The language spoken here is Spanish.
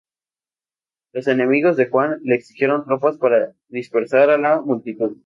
Los enemigos de Juan le exigieron tropas para dispersar a la multitud.